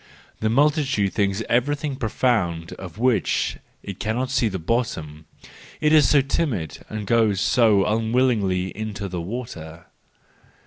The multitude thinks everything profound of which it cannot see the bottom ; it is so timid and goes so unwillingly into the water.